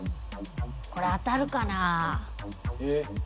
これ当たるかなあ。